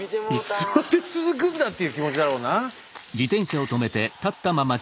いつまで続くんだっていう気持ちだろうな。